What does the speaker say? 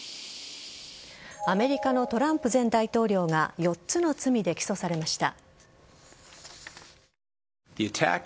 アメリカのトランプ前大統領が４つの罪で起訴されました。